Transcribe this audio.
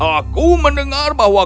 aku mendengar bahwa